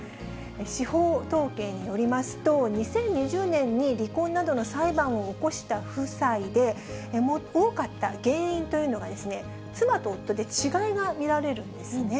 司法統計によりますと、２０２０年に離婚などの裁判を起こした夫妻で、多かった原因というのが、妻と夫で違いが見られるんですね。